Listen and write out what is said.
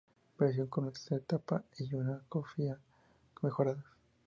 Versión con una tercera etapa y una cofia mejoradas.